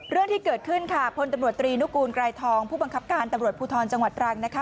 เรื่องที่เกิดขึ้นค่ะพลตำรวจตรีนุกูลไกรทองผู้บังคับการตำรวจภูทรจังหวัดตรังนะคะ